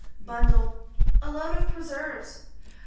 BUNDLE. A load of preserves.